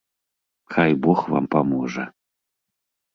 Хай бог вам паможа.